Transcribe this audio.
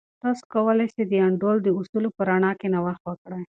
تاسې کولای سئ د انډول د اصولو په رڼا کې نوښت وکړئ.